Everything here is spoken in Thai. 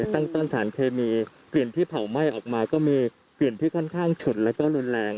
ตั้งต้นสารเคมีเปลี่ยนที่เผาไหม้ออกมาก็มีเปลี่ยนที่ค่อนข้างฉุดแล้วก็รุนแรง